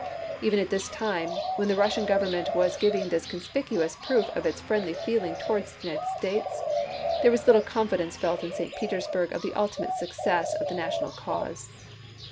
Even at this time, when the Rus sian Government was giving this conspicuous proof of its friendly feeling towards the United States, there was little confidence felt in St. Petersburg of the ultimate success of the national cause.